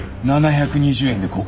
７２０円？